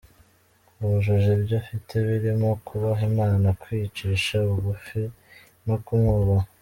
wujuje ibyo afite birimo kubaha Imana, kwicisha ubugufi no kumwubaha.